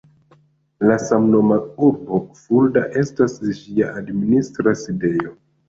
La samnoma urbo Fulda estas ĝia administra sidejo.